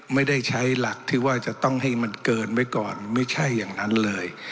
ไม่ได้ใช้หลักที่ว่าจะต้องให้มันเกินไว้ก่อนไม่ใช่อย่างนั้นเลย